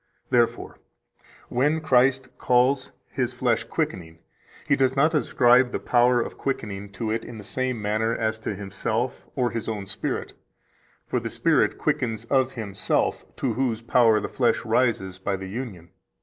Therefore, when Christ call His flesh quickening, He does not ascribe the power of quickening to it in the same manner as to Himself or His own Spirit. For the Spirit quickens of Himself, to Whose power the flesh rises by the union.